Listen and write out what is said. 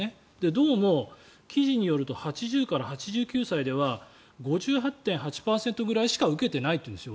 どうも記事によると８０から８９歳では５８．８％ぐらいしか受けてないというんです。